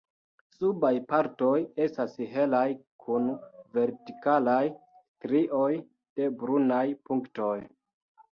Subaj partoj estas helaj kun vertikalaj strioj de brunaj punktoj.